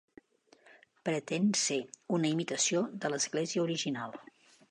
Pretén ser una imitació de l'església original.